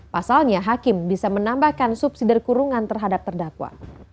pasalnya hakim bisa menambahkan subsidi kurungan terhadap terdakwa